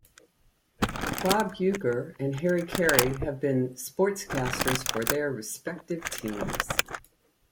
Bob Uecker and Harry Caray have been sportscasters for their respective teams.